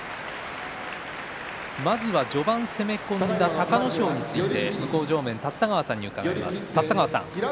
まずは序盤攻め込んだ隆の勝について向正面の立田川さんに伺います。